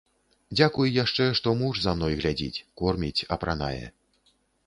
Дзякуй яшчэ, што муж за мной глядзіць, корміць, апранае.